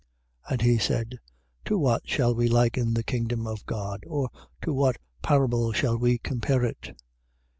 4:30. And he said: To what shall we liken the kingdom of God? or to what parable shall we compare it?